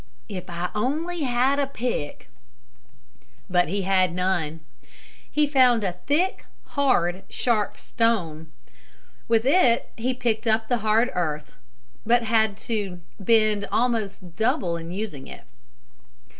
"If I only had a pick." But he had none. He found a thick, hard, sharp stone. With it he picked up the hard earth, but had to bend almost double in using it.